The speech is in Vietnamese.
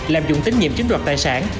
làm dụng tín nhiệm chiếm đoạt tài sản